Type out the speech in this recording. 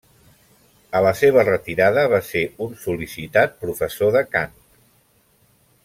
A la seva retirada va ser un sol·licitat professor de cant.